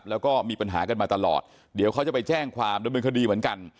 แล้วก็มีปัญหากันมาตลอดเดี๋ยวเขาจะไปแจ้งความดำเนินคดีเหมือนกัน